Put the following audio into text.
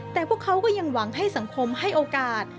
แต่พวกเขาก็ยังหวังให้สังคมให้โอกาส